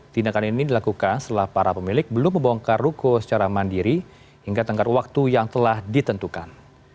tindakan ini dilakukan setelah para pemilik belum membongkar ruko secara mandiri hingga tenggar waktu yang telah ditentukan